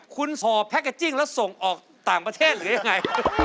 คุณห่อแพ็กเกจจิ้งแล้วส่งออกต่างประเทศหรือยังไง